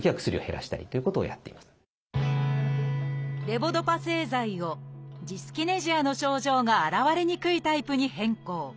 レボドパ製剤をジスキネジアの症状が現れにくいタイプに変更。